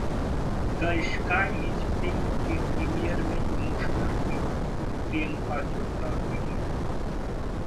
the sky is pink के premiere में emotional हुईं प्रियंका चोपड़ा, Video